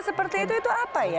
seperti itu itu apa ya